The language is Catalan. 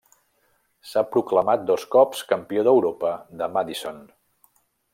S'ha proclamat dos cops Campió d'Europa de Madison.